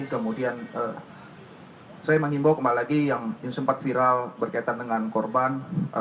kemudian saya menghimbau kembali lagi yang sempat viral berkaitan dengan korban